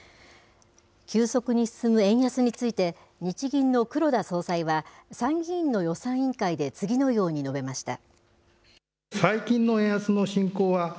急速に進む円安について、日銀の黒田総裁は、参議院の予算委員会で次のように述べました。